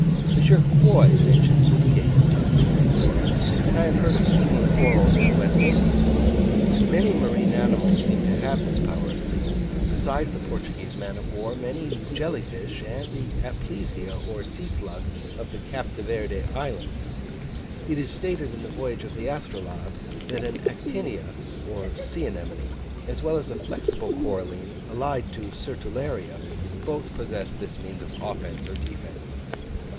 M. Quoy mentions this case of the Millepora; and I have heard of stinging corals in the West Indies. Many marine animals seem to have this power of stinging: besides the Portuguese man of war, many jelly fish, and the Aplysia or sea slug of the Cape de Verd Islands, it is stated in the voyage of the Astrolabe, that an Actinia or sea anemone, as well as a flexible coralline allied to Sertularia, both possess this means of offence or defence.